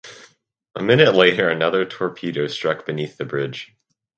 A minute later another torpedo struck beneath the bridge.